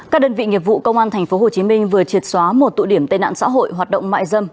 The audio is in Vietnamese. các đơn vị nghiệp vụ công an tp hcm vừa triệt xóa một tụ điểm tên nạn xã hội hoạt động mại dâm